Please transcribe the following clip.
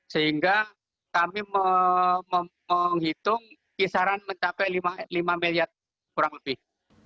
sehingga kami menghitung kisaran mencapai lima miliar kurang lebih